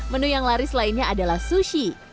menu yang laris lainnya adalah sushi